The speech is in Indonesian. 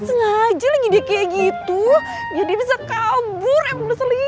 ya sengaja lagi dia kayak gitu biar dia bisa kabur ya mulus lagi